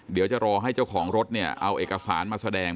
เดี๋ยวจะรอให้เจ้าของรถเนี่ยเอาเอกสารมาแสดง